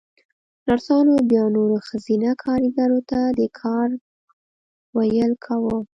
نرسانو بيا نورو ښځينه کاريګرو ته د کار ويل کاوه.